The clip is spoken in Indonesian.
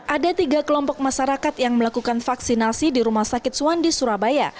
ada tiga kelompok masyarakat yang melakukan vaksinasi di rumah sakit suwandi surabaya